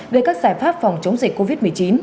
về các giải pháp phòng chống dịch covid một mươi chín